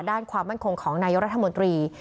ด้านความมั่นคงของนายกรัฐมนตรี